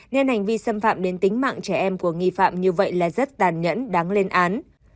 nên hành vi xâm phạm đến tính mạng trẻ em của nghi phạm như vậy là rất tàn nhẫn đáng lên án